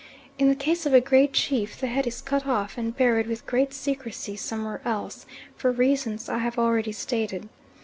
In the case of a great chief the head is cut off and buried with great secrecy somewhere else, for reasons I have already stated.